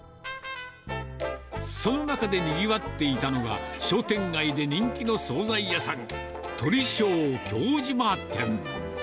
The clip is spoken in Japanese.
その中でにぎわっていたのが、商店街で人気の総菜屋さん、鳥正京島店。